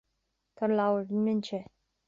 Tá an leabhar ar an mbinse